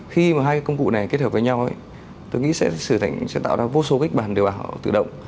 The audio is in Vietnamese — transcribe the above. khi mà hai công cụ này kết hợp với nhau tôi nghĩ sẽ tạo ra vô số kịch bản lừa đảo tự động